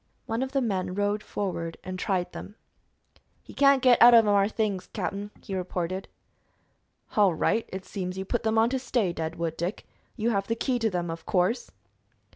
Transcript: One of the men rode forward and tried them. "He can't git out of them 'ar things, cap'n," he reported. "All right. It seems you put them on to stay, Deadwood Dick. You have the key to them, of course."